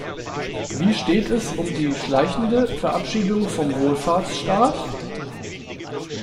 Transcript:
Wie steht es um die schleichende Verabschiedung vom Wohlfahrtsstaat?